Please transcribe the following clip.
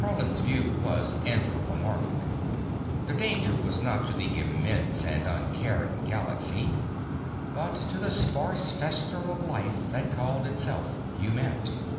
Haarland's view was anthropomorphic; the danger was not to the immense and uncaring galaxy, but to the sparse fester of life that called itself humanity.